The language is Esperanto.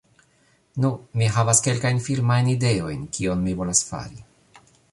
Nu, mi havas kelkajn filmajn ideojn kion mi volas fari